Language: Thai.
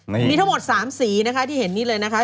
มีทั้งหมด๓สีนะคะที่เห็นนี่เลยนะคะ